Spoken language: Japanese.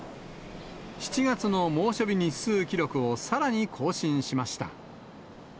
７月の猛暑日日数記録をさらに更新しました。